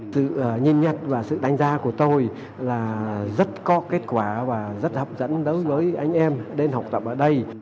sự nhìn nhận và sự đánh giá của tôi là rất có kết quả và rất hấp dẫn đối với anh em đến học tập ở đây